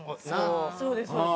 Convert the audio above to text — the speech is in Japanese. そうですそうです。